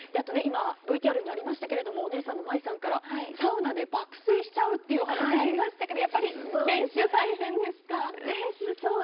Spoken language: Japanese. ＶＴＲにありましたがお姉さんの舞さんからサウナで爆睡しちゃうというお話がありましたけどやっぱり練習、大変ですか？